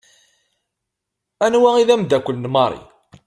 Anwa d amdakel n Marie?